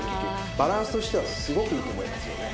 バランスとしてはすごくいいと思いますよね。